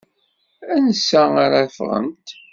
Ansa ara ffɣent?